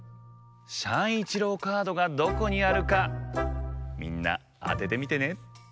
しゃんいちろうカードがどこにあるかみんなあててみてね。